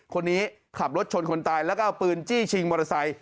คนนี้ขับรถชนคนตายแล้วก็เอาปืนจี้ชิงมอเตอร์ไซค